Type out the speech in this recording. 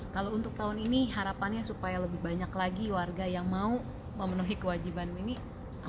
kalau untuk tahun ini harapannya supaya lebih banyak lagi warga yang mau memenuhi kewajiban ini